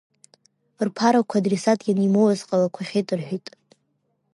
Рԥарақәа адресат ианимоуаз ҟалақәахьеит рҳәеит.